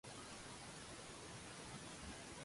客貨量有望持續增加